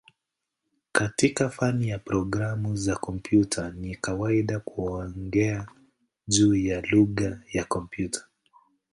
Katika fani ya programu za kompyuta ni kawaida kuongea juu ya "lugha ya kompyuta".